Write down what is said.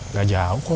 nggak jauh kok